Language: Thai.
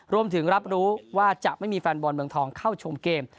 รับรู้ว่าจะไม่มีแฟนบอลเมืองทองเข้าชมเกม